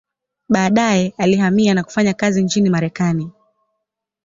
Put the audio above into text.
Baadaye alihamia na kufanya kazi nchini Marekani.